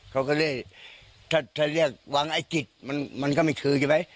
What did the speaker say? เขาก็เลยถ้าเรียกวังไอ้จิกมันก็ไม่คือใช่ไหม